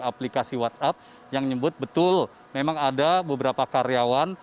aplikasi whatsapp yang menyebut betul memang ada beberapa karyawan